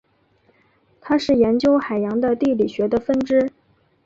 它是研究海洋的地理学的分支。